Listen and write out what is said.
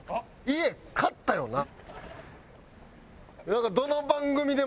家買ったよな？